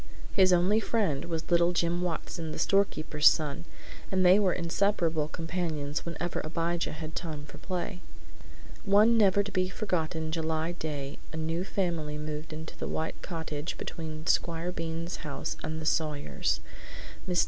His only friend was little Jim Watson, the storekeeper's son, and they were inseparable companions whenever Abijah had time for play. One never to be forgotten July day a new family moved into the white cottage between Squire Bean's house and the Sawyers'. Mr.